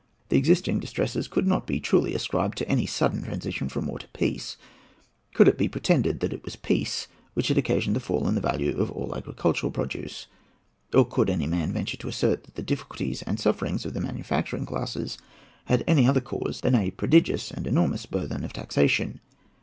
The existing distresses could not be truly ascribed to any sudden transition from war to peace. Could it be pretended that it was peace which had occasioned the fall in the value of all agricultural produce? Or could any man venture to assert that the difficulties and sufferings of the manufacturing classes had any other cause than a prodigious and enormous burthen of taxation?